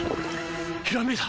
ひらめいた！